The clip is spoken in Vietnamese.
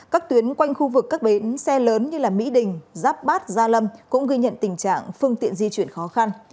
các tuyến quanh khu vực các bến xe lớn như mỹ đình giáp bát gia lâm cũng ghi nhận tình trạng phương tiện di chuyển khó khăn